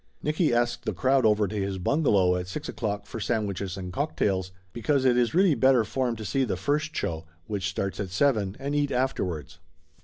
Nicky asked the crowd over to his bungalow at six o'clock for sandwiches and cocktails, because it is really better form to see the first show, which starts at seven, and eat afterwards.